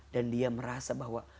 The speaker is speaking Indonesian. dan dia merasa bahwa